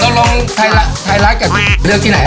ต้องลองไทรัสกับเรือกที่ไหน